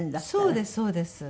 そうですそうです。